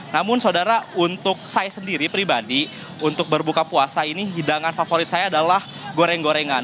namun saudara untuk saya sendiri pribadi untuk berbuka puasa ini hidangan favorit saya adalah goreng gorengan